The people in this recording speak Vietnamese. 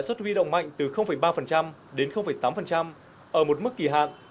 lãi suất huy động mạnh từ ba đến tám ở một mức kỳ hạn